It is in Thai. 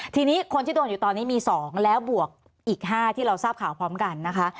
ทีนี้คนที่โดนอยู่ตอนนี้มี๒แล้วบวกอีก๕ที่เราทราบข่าวพร้อมกันนะคะ